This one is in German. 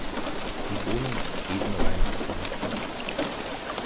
Die Wohnung ist besenrein zu verlassen.